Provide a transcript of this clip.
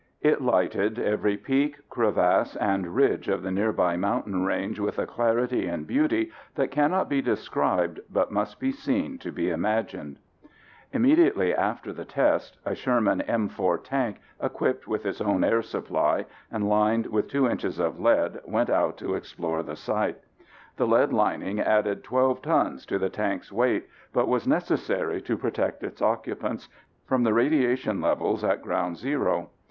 It lighted every peak, crevasse and ridge of the nearby mountain range with a clarity and beauty that cannot be described but must be seen to be imagined..." Immediately after the test a Sherman M 4 tank, equipped with its own air supply, and lined with two inches of lead went out to explore the site. The lead lining added 12 tons to the tank's weight, but was necessary to protect its occupants from the radiation levels at ground zero.